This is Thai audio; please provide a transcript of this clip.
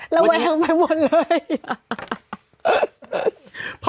ระแวงไปหมดเลย